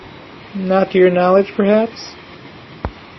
Not to your knowledge, perhaps?